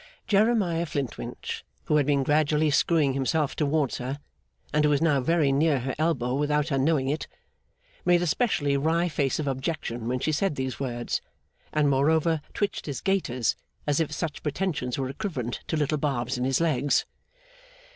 Jeremiah Flintwinch, who had been gradually screwing himself towards her, and who was now very near her elbow without her knowing it, made a specially wry face of objection when she said these words, and moreover twitched his gaiters, as if such pretensions were equivalent to little barbs in his legs.